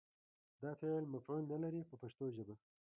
دا فعل مفعول نه لري په پښتو ژبه.